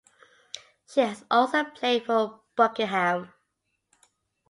She has also played for Buckingham.